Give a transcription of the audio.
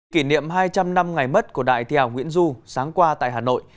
kỷ niệm hai trăm linh năm ngày mất của đại thi hào nguyễn du sáng qua tại hà nội